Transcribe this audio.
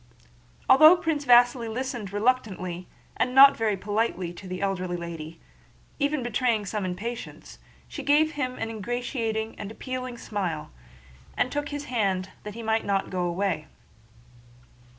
Although Prince Vasíli listened reluctantly and not very politely to the elderly lady, even betraying some impatience, she gave him an ingratiating and appealing smile, and took his hand that he might not go away.